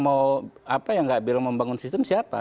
mau apa yang nggak bilang membangun sistem siapa